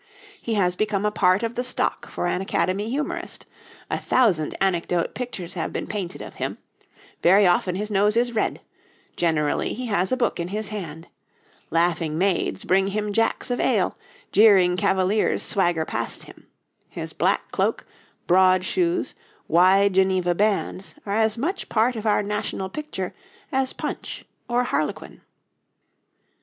He has become part of the stock for an Academy humourist, a thousand anecdote pictures have been painted of him; very often his nose is red, generally he has a book in his hand, laughing maids bring him jacks of ale, jeering Cavaliers swagger past him: his black cloak, board shoes, wide Geneva bands are as much part of our national picture as Punch or Harlequin.